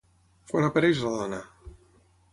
Quan apareix la dona?